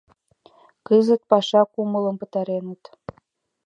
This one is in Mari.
— Кызыт паша кумылым пытареныт.